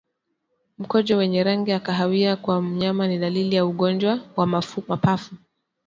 Mkojo wenye rangi ya kahawia kwa mnyama ni dalili ya ugonjwa wa mapafu